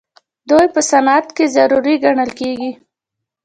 دوی په صنعت کې ضروري ګڼل کیږي.